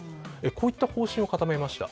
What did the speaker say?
こういった方針を固めました。